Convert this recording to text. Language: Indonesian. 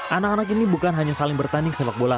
anak anak ini bukan hanya saling bertanding sepak bola